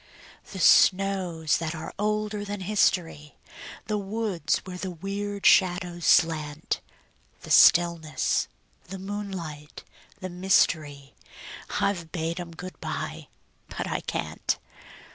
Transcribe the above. The snows that are older than history, The woods where the weird shadows slant; The stillness, the moonlight, the mystery, I've bade 'em good by but I can't.